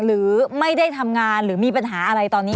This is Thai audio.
หรือไม่ได้ทำงานหรือมีปัญหาอะไรตอนนี้